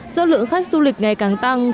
do lượng khách du lịch ngày càng tăng